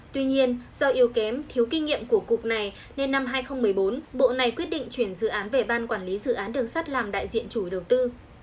tuy nhiên do yếu kém thiếu kinh nghiệm của cục này nên năm hai nghìn một mươi bốn bộ này quyết định chuyển dự án về ban quản lý dự án đường sắt làm đại diện chủ đầu tư